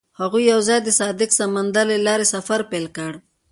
هغوی یوځای د صادق سمندر له لارې سفر پیل کړ.